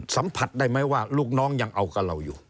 สัมผัสได้ไหมว่าลูกน้องยังเอากับเราอยู่